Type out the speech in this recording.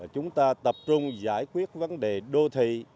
chúng ta tập trung giải quyết vấn đề đô thị